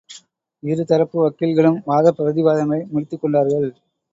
இரு தரப்பு வக்கீல்களும் வாதப்பிரதிவாதங்களை முடித்துக் கொண்டார்கள்.